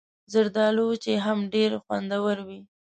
زردالو وچې هم ډېرې خوندورې وي.